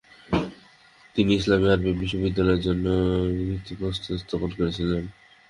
তিনি ইসলামী আরবী বিশ্ব বিদ্যালয়ের জন্য ভিত্তিপ্রস্তর স্থাপন করেছিলেন।